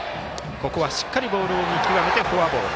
ここはしっかりボールを見極めてフォアボール。